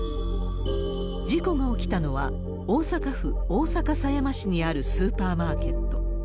事故が起きたのは、大阪府大阪狭山市にあるスーパーマーケット。